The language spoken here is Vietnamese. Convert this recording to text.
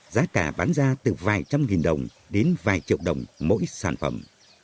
giá cả bán ra từ vài trăm nghìn đồng đến vài triệu đồng mỗi sản phẩm